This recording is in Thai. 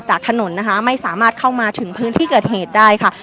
จากถนนนะคะไม่สามารถเข้ามาถึงพื้นที่เกิดเหตุได้ค่ะ